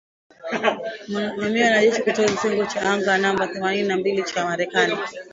Mamia ya wanajeshi kutoka kitengo cha anga namba themanini na mbili cha Marekani